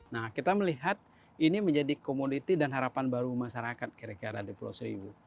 nah kita melihat ini menjadi komoditi dan harapan baru masyarakat kira kira di pulau seribu